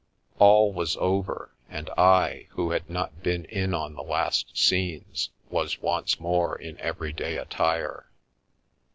All was over, and I, who had not been on in the last scenes, was once more in everyday attire.